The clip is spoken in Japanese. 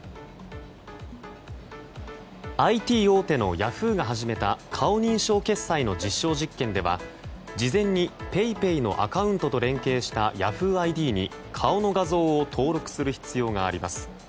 ＩＴ大手のヤフーが始めた顔認証決済の実証実験では事前に、ＰａｙＰａｙのアカウントと連携したヤフーＩＤに顔の画像を登録する必要があります。